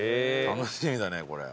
楽しみだねこれ。